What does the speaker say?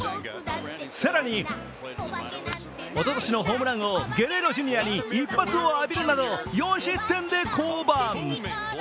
更に、おととしのホームラン王、ゲレーロ・ジュニアに一発を浴びるなど４失点で降板。